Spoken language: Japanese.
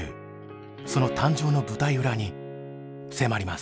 その誕生の舞台裏に迫ります。